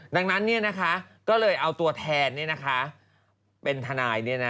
ดังนั้นเนี้ยนะคะก็เลยเอาตัวแทนเนี้ยนะคะเป็นทนายเนี้ยนะ